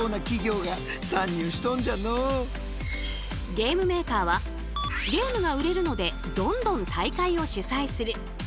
ゲームメーカーはゲームが売れるのでどんどん大会を主催する。